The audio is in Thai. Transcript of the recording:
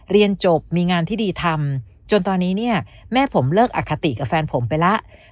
เรียนจบมีงานที่ดีทำจนตอนนี้เนี่ยแม่ผมเลิกอคติกับแฟนผมไปแล้ว